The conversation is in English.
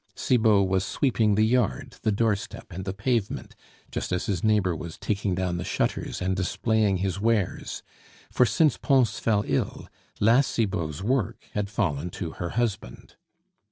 Cibot was sweeping the yard, the doorstep, and the pavement just as his neighbor was taking down the shutters and displaying his wares; for since Pons fell ill, La Cibot's work had fallen to her husband.